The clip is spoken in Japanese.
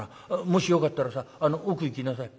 もしよかったらさあの奥行きなさい。